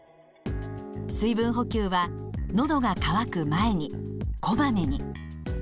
水分補給は「のどが渇く前に」「こまめに」。